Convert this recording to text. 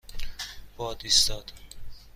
باد ایستاد.